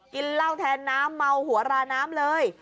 กินเหล้าแทนน้ำเมาหัวราน้ำเลย